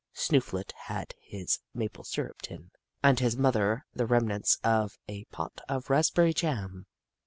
Snooflet had his ma ple syrup tin, and his mother the remnants of a pot of raspberry jam.